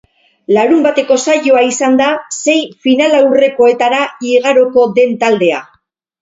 Larunbateko saioa izan da sei finalaurrekoetara igaroko den taldea.